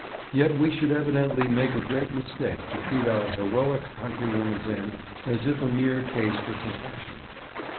Yet we should evidently make a great mistake to treat our heroic countrywoman's end as if a mere case for compassion.